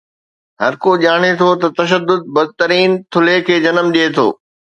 هرڪو ڄاڻي ٿو ته تشدد بدترين ٿلهي کي جنم ڏئي ٿو.